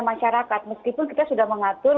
masyarakat meskipun kita sudah mengatur